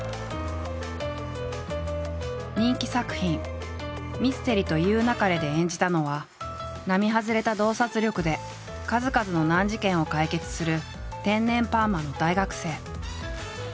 人気作品「ミステリと言う勿れ」で演じたのは並外れた洞察力で数々の難事件を解決する天然パーマの大学生。